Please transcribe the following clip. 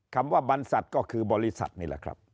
คำว่าบรรษัทก็คือบริษัทนี่แหละครับ